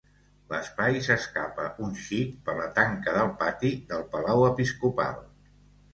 L'espai s'escapa un xic per la tanca del pati del Palau Episcopal.